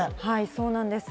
そうなんです。